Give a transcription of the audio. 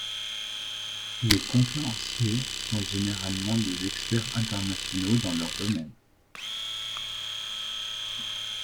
Les conférenciers sont généralement des experts internationaux dans leur domaine.